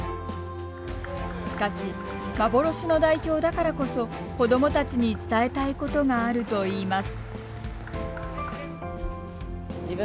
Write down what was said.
しかし、幻の代表だからこそ子どもたちに伝えたいことがあるといいます。